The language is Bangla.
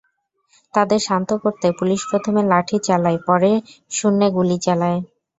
তাদের শান্ত করতে পুলিশ প্রথমে লাঠি চালায়, পরে শূন্যে গুলি চালায়।